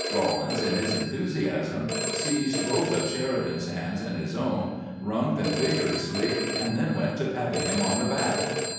Eawlins, in his enthusiasm, seized both of Sheridan's hands in his own, wrung them vigorously, and then went to patting him on the back.